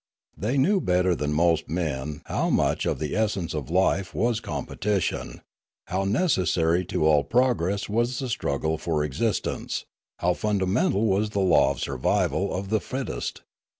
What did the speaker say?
They knew better than most men 44 Limanora how much of the essence of life was competition, how necessary to all progress was the struggle for existence, how fundamental was the law of the survival of the fittest.